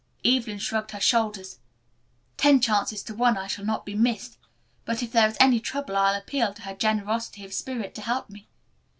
Evelyn shrugged her shoulders. "Ten chances to one I shall not be missed, but if there is any trouble I'll appeal to her generosity of spirit to help me.